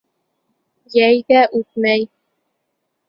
Йәй ҙә үтмәй.